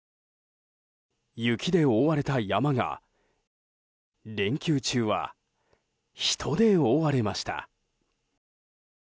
雪で覆われた山が連休中は人で覆われました。